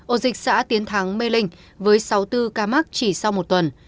ổ dịch xã tiến thắng mê linh với sáu mươi bốn ca mắc chỉ sau một tuần